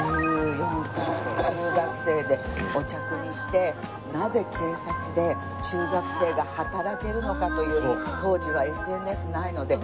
１４歳で中学生でお茶くみして「なぜ警察で中学生が働けるのか？」という当時はＳＮＳないので。